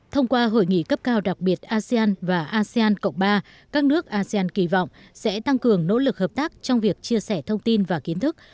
thông qua hội nghị cấp cao đặc biệt asean và asean cộng ba các nước asean kỳ vọng sẽ tăng cường nỗ lực hợp tác trong việc chia sẻ thông tin và kiến thức